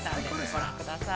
◆ご覧ください。